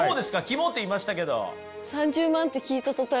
「きも」って言いましたけど。